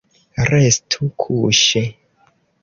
Restu kuŝe.